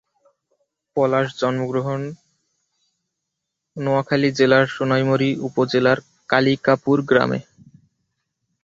পলাশ জন্ম গ্রহণ নোয়াখালী জেলার সোনাইমুড়ি উপজেলার কালিকাপুর গ্রামে।